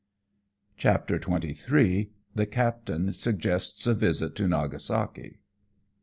CHAPTER XXIII. THE CAPTAIN SUGGESTS A VISIT TO NAGASAKI.